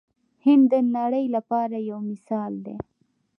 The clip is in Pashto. هند د نړۍ لپاره یو مثال دی.